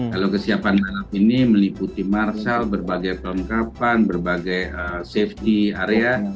kalau kesiapan balap ini meliputi marcel berbagai perlengkapan berbagai safety area